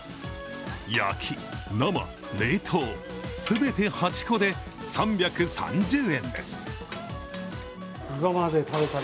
焼き、生、冷凍、全て８個で３３０円です。